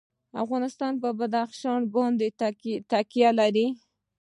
افغانستان په بدخشان باندې تکیه لري.